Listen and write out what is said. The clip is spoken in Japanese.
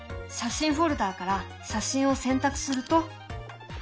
写真フォルダーから写真を選択すると。